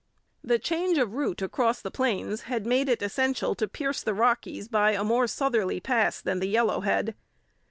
The change of route across the plains had made it essential to pierce the Rockies by a more southerly pass than the Yellowhead.